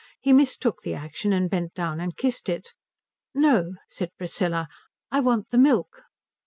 He mistook the action and bent down and kissed it. "No," said Priscilla, "I want the milk."